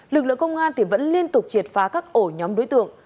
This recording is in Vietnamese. lực lượng công an vẫn liên tục triệt phá các ổ nhóm đối tượng